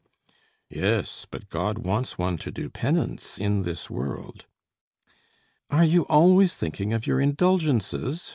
"Yes; but God wants one to do penance in this world." "Are you always thinking of your indulgences?"